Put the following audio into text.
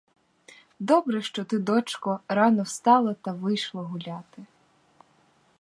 Добре, що ти, дочко, рано встала та вийшла гуляти.